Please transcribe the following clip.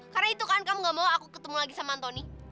karena itu kan kamu gak mau aku ketemu lagi sama antoni